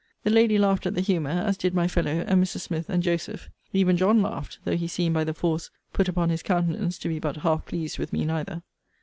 The lady laughed at the humour; as did my fellow, and Mrs. Smith, and Joseph: even John laughed, though he seemed by the force put upon his countenance to be but half pleased with me neither.